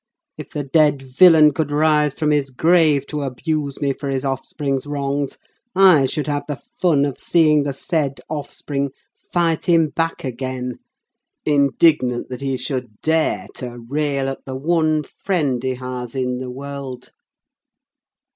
If the dead villain could rise from his grave to abuse me for his offspring's wrongs, I should have the fun of seeing the said offspring fight him back again, indignant that he should dare to rail at the one friend he has in the world!"